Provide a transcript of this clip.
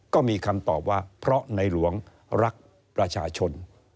ก็มีคำตอบว่าเพราะในหลวงรักประชาชน